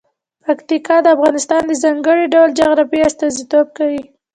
پکتیکا د افغانستان د ځانګړي ډول جغرافیه استازیتوب کوي.